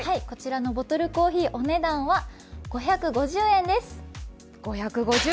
こちらのボトルコーヒー、お値段は５５０円です。